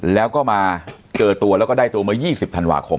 แล้วก็มาเจอตัวแล้วก็ได้ตัวเมื่อ๒๐ธันวาคม